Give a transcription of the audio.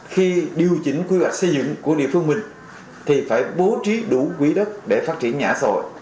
khi điều chỉnh quy hoạch xây dựng của địa phương mình thì phải bố trí đủ quỹ đất để phát triển nhà ở xã hội